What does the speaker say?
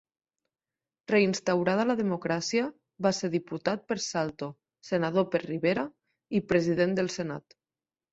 Reinstaurada la democràcia, va ser diputat per Salto, senador per Rivera i president del Senat.